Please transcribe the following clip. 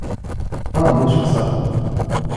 Pas un mot sur ça.